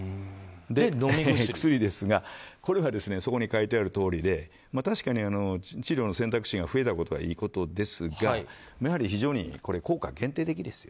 飲み薬ですが、これはそこに書いてあるとおりで確かに治療の選択肢が増えたことはいいことですがやはり非常に効果は限定的です。